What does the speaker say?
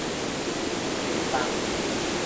白板